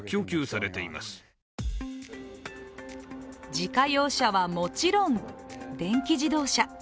自家用車はもちろん電気自動車。